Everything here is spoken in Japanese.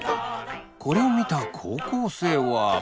これを見た高校生は。